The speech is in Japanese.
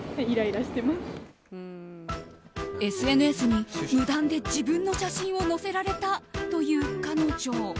ＳＮＳに無断で自分の写真を載せられたという彼女。